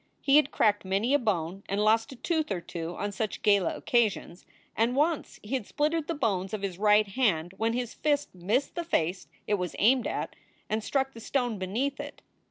He had cracked many a bone and lost a tooth or two on such gala occasions; and once he had splintered the bones of his right hand when his fist missed the face it was aimed at and struck the stone beneath it.